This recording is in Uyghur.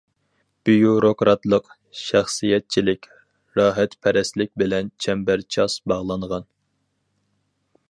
بىيۇروكراتلىق، شەخسىيەتچىلىك، راھەتپەرەسلىك بىلەن چەمبەرچاس باغلانغان.